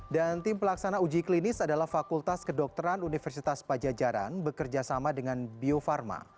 dan tim pelaksana uji klinis adalah fakultas kedokteran universitas pajajaran bekerjasama dengan bio farma